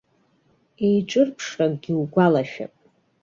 Еиҿырԥшракгьы угәалашәап.